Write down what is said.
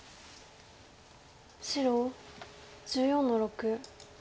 白１４の六。